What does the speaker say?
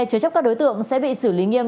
chứa chấp các đối tượng sẽ bị xử lý nghiêm